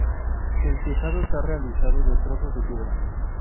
El tejado está realizado de trozos de piedra.